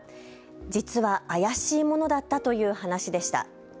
実は怪しいものだったという話でした。